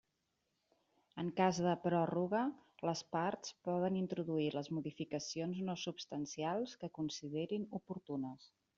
En cas de pròrroga, les parts poden introduir les modificacions no substancials que considerin oportunes.